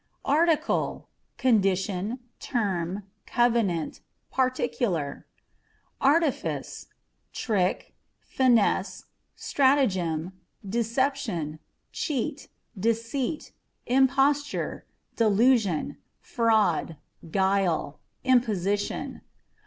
Article â€" condition, term, covenant, particular. Artifice â€" trick, finesse, stratagem, deception, cheat, deceit, imposture, delusion, fraud, guile, imposition.